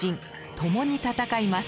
共に戦います。